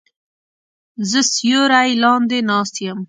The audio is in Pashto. زه سیوری لاندې ناست یم